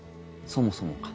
そもそもが。